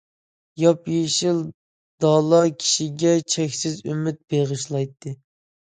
ياپيېشىل دالا كىشىگە چەكسىز ئۈمىد بېغىشلايتتى.